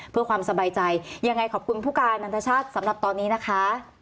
เพื่อความสบายใจยังไงขอบคุณผู้การนันทชาติสำหรับตอนนี้นะคะ